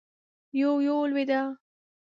يو- يو لوېده.